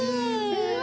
うわ！